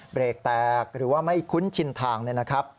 เบรกแตกหรือว่าไม่คุ้นชินทางเนี่ยนะครับ